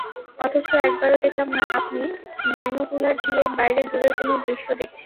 অথচ একবারও দেখলাম না, আপনি বাইনোকুলার দিয়ে বাইরে দূরের কোনো দৃশ্য দেখছেন।